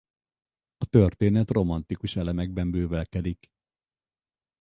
A történet romantikus elemekben bővelkedik.